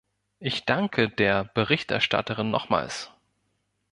Ich danke der Berichterstatterin nochmals!